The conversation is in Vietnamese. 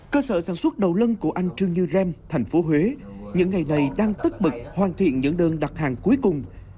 cơ sở sản xuất đầu lân của anh trương như rem thành phố huế những ngày này đang tức bực hoàn thiện những đơn đặt hàng cuối cùng